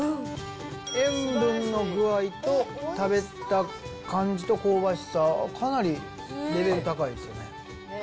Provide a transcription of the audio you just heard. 塩分の具合と、食べた感じと香ばしさ、かなりレベル高いですよね。